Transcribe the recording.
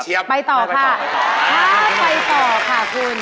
เข้าไปต่อค่ะคุณ